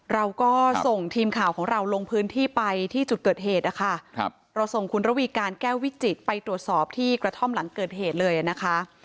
เราก็ส่งทีมข่าวของเราลงพื้นที่ไปที่จุดเกิดเหตุนะคะเราส่งคุณระวีการแก้ววิจิตรไปตรวจสอบที่กระท่อมหลังเกิดเหตุเลยนะคะ